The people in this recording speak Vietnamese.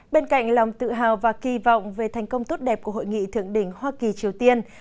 bên cạnh lòng tự hào và kỳ vọng về thành công tốt đẹp của hội nghị thượng đỉnh hoa kỳ triều tiên